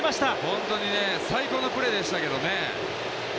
本当にね最高のプレーでしたけどね。